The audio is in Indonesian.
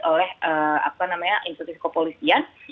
oleh apa namanya institusi kepolisian